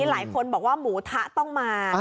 หลายคนบอกว่าหมูทะต้องมา